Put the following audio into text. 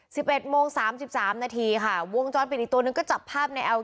สิบเอ็ดโมงสามสิบสามนาทีค่ะวงจรปิดอีกตัวหนึ่งก็จับภาพในแอล